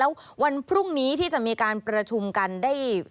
แล้ววันพรุ่งนี้ที่จะมีการประชุมกันได้